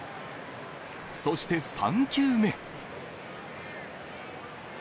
そして３球目。